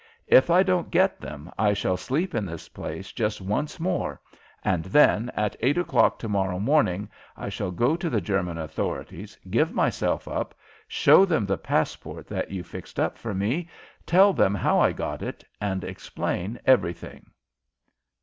If I don't get them, I shall sleep in this place just once more, and then, at eight o'clock to morrow morning, I shall go to the German authorities, give myself up, show them the passport that you fixed up for me, tell them how I got it, and explain everything!"